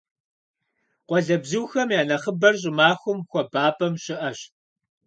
Къуалэбзухэм я нэхъыбэр щӀымахуэм хуабапӀэм щыӀэщ.